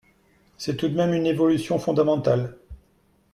C’est tout de même une évolution fondamentale.